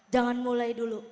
jangan mulai dulu